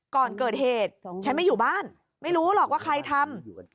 ก่อนเกิดเหตุฉันไม่อยู่บ้านไม่รู้หรอกว่าใครทำ